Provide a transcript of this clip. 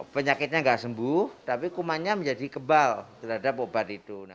penyakitnya tidak sembuh tapi kumannya menjadi kebal terhadap obat itu